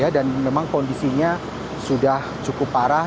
dan memang kondisinya sudah cukup parah